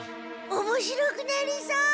おもしろくなりそう！